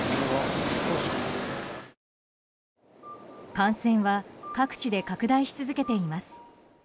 感染は各地で拡大し続けています。